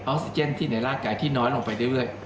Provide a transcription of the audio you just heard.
ซิเจนที่ในร่างกายที่น้อยลงไปเรื่อย